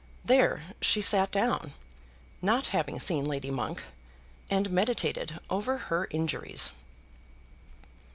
There she sat down, not having seen Lady Monk, and meditated over her injuries.